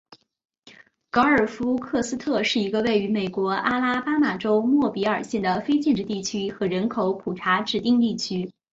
格尔夫克斯特是一个位于美国阿拉巴马州莫比尔县的非建制地区和人口普查指定地区。